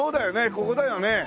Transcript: ここだよね。